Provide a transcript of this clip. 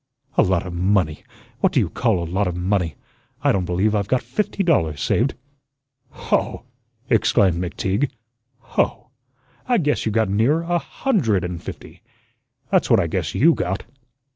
'A lot of money.' What do you call a lot of money? I don't believe I've got fifty dollars saved." "Hoh!" exclaimed McTeague. "Hoh! I guess you got nearer a hundred AN' fifty. That's what I guess YOU got."